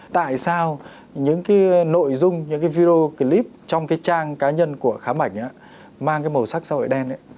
tại sao những nội dung những video clip trong trang cá nhân của khá bảnh mang màu sắc xã hội đen